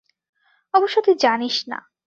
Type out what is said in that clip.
অবশ্য তুই জানিস না।